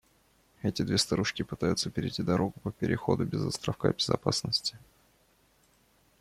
Это две старушки пытаются перейти дорогу по переходу без островка безопасности